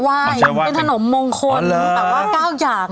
มันเป็นถนมมงคลแบบว่าเก้าหย่าง